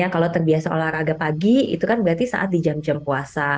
kalau terbiasa olahraga pagi itu kan berarti saat di jam jam puasa